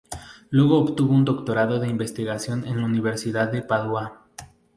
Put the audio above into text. Luego obtuvo un doctorado de investigación en la Universidad de Padua.